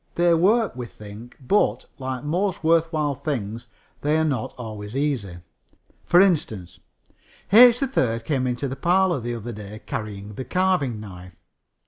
They work, we think, but, like most worth while things, they are not always easy. For instance, H. 3rd came into the parlor the other day carrying the carving knife.